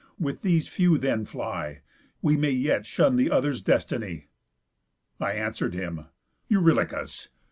With these few then fly; We yet may shun the others' destiny.' I answer'd him: 'Eurylochus!